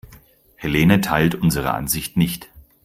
Helene teilt unsere Ansicht nicht.